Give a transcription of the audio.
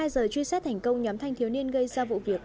một mươi hai giờ truy xét thành công nhóm thanh thiếu niên gây ra vụ việc